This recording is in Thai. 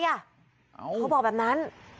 เขาบอกแบบนั้น